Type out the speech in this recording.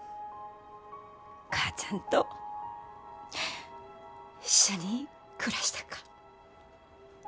母ちゃんと一緒に暮らしたか。